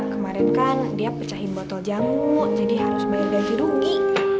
kemarin kan dia pecahin botol jamu jadi harus bayar gaji rugi